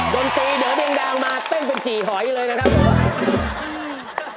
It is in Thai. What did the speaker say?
ดนติเดอร์เดี่ยงดางมาเต้นฝรกจี่หอยนี้เลยนะครับผม